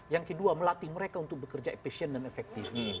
yang kedua melatih mereka untuk bekerja efisien dan efektif